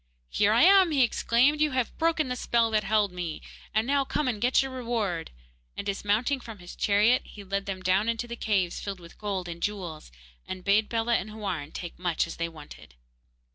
'Here I am!' he exclaimed. 'You have broken the spell that held me, and now come and get your reward,' and, dismounting from his chariot, he led them down into the caves filled with gold and jewels, and bade Bellah and Houarn take as much as they wanted.